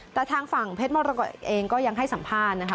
แต่ทางฝั่งเพชรมรกฏเองก็ยังให้สัมภาษณ์นะคะ